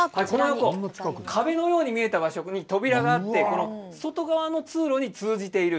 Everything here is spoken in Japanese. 壁のように見えた場所に扉があって外側の通路に通じている。